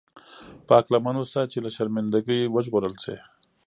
پاک لمن اوسه چې له شرمنده ګۍ وژغورل شې.